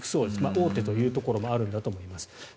大手というところもあると思います。